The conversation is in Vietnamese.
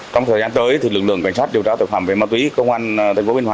trong thời gian tới lực lượng cảnh sát điều tra tội phạm về ma túy công an tp hcm